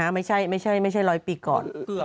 ไม่ใช่ร้อยปีก่อน